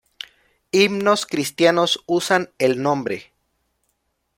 Himnos cristianos usan el nombre.